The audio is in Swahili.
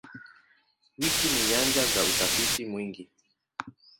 Wiki ni nyanja za utafiti mwingi.